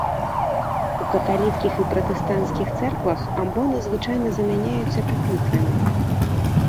У каталіцкіх і пратэстанцкіх цэрквах амбоны звычайна замяняюцца пюпітрамі.